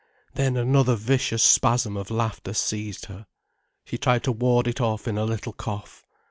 Then another vicious spasm of laughter seized her. She tried to ward it off in a little cough.